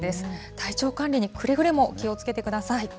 体調管理にくれぐれも気をつけてください。